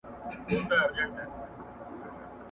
د پښتو د ودي لپاره باید ځانګړي کورسونه پیل کړل سي.